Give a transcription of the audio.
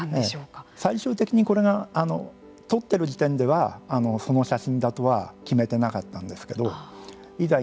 最終的にこれが撮ってる時点ではその写真だとは決めてなかったんですけどいざ